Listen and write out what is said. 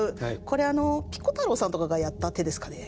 これあのピコ太郎さんとかがやった手ですかね。